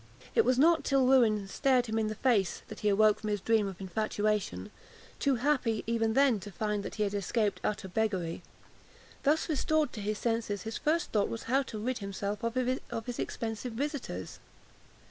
It was not till ruin stared him in the face that he awoke from his dream of infatuation, too happy, even then, to find that he had escaped utter beggary. Thus restored to his senses, his first thought was how to rid himself of his expensive visitors.